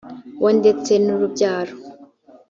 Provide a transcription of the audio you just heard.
bo ndetse n urubyaro